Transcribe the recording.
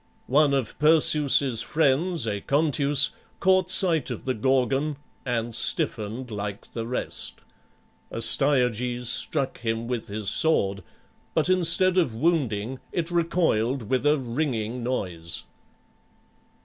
One of Perseus's friends, Aconteus, caught sight of the Gorgon and stiffened like the rest. Astyages struck him with his sword, but instead of wounding, it recoiled with a ringing noise.